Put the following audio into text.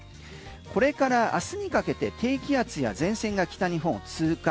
これから明日にかけて低気圧や前線が北日本を通過。